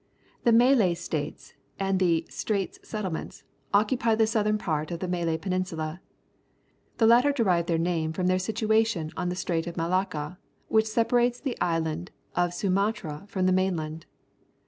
— The Ma lay States and the Straits Settlements occupy the southern part of the Malay Peninsula. The latter derive their name from their situation on the Strait of Malacca, which separates the island of Sumatra from the mainland.